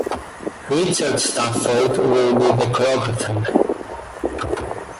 Richard Stafford will be the choreographer.